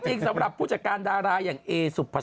จริงสำหรับผู้จัดการดาราอย่างเอสุพัท